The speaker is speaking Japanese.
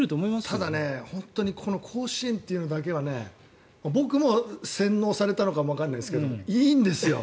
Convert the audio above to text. ただね甲子園というのだけは僕も洗脳されたのかもわからないけどいいんですよ。